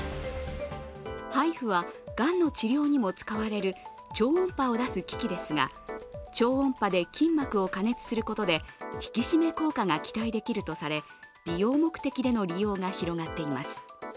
ＨＩＦＵはがんの治療にも使われる超音波を出す機器ですが、超音波で筋膜を加熱することで引き締め効果が期待できるとされ、美容目的での利用が広がっています。